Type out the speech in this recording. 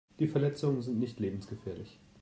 Die Verletzungen sind nicht lebensgefährlich.